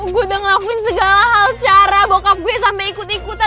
gue udah ngelakuin segala hal cara bokap gue sampai ikut ikutan